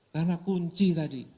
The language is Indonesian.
karena kunci tadi